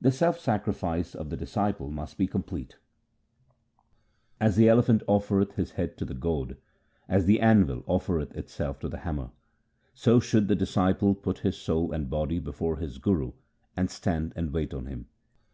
The self sacrifice of the disciple must be com plete :— As the elephant offereth his head to the goad, as the anvil oifereth itself to the hammer, So should the disciple put his soul and body before his Guru, and stand and wait on him.